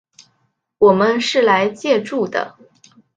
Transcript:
我们是来借住的